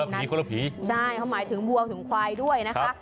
ไม่ใช่ผีแร่ตรงนั้นเขาหมายถึงบัวถึงควายด้วยนะคะ